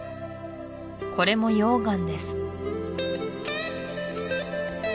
これも溶岩です